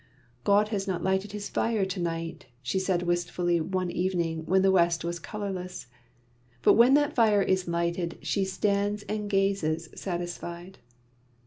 "God has not lighted His fire to night," she said wistfully one evening when the West was colourless; but when that fire is lighted she stands and gazes satisfied.